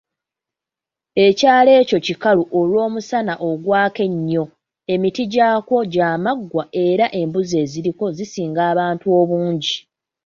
Ekyalo ekyo kikalu olw'omusana ogwaka ennyo, emiti gy'akwo gya maggwa era embuzi eziriko zisinga abantu obungi.